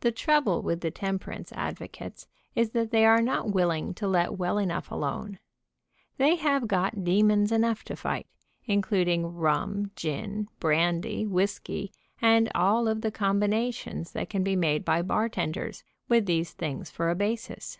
The trouble with the temperance advocates is that they are not willing to let well enough alone. They have got demons enough to fight, including rum, gin, brandy, whisky, and all of the combinations that can be made by bartenders, with these things for a basis.